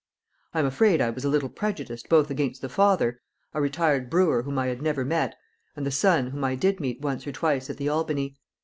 I am afraid I was a little prejudiced both against the father, a retired brewer whom I had never met, and the son whom I did meet once or twice at the Albany.